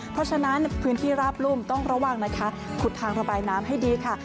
เพราะฉะนั้นพื้นที่ราบรุ่มต้องระวังนะคะขุดทางระบายน้ำให้ดีค่ะ